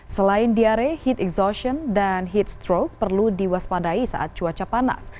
selain diare heat exhation dan heat stroke perlu diwaspadai saat cuaca panas